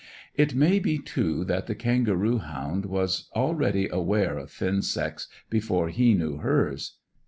It may be, too, that the kangaroo hound was already aware of Finn's sex before he knew hers.